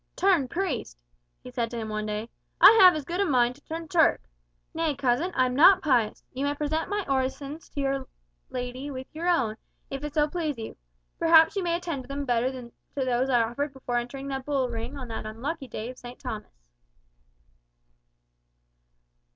"Turn priest!" he said to him one day; "I have as good a mind to turn Turk. Nay, cousin, I am not pious you may present my orisons to Our Lady with your own, if it so please you. Perhaps she may attend to them better than to those I offered before entering the bull ring on that unlucky day of St. Thomas."